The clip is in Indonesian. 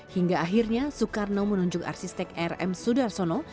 hingga akhirnya soekarno menunjuk arsistek rm sudarsono